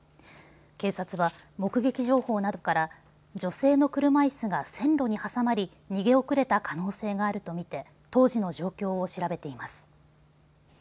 警察は目撃情報などから女性の車いすが線路に挟まり逃げ遅れた可能性があると見て当時の状況を調べています。